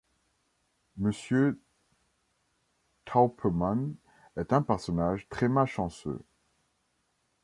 Monsieur Taupeman est un personnage très malchanceux.